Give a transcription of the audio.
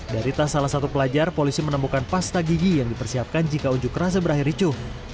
dari tas salah satu pelajar polisi menemukan pasta gigi yang dipersiapkan jika unjuk rasa berakhir ricuh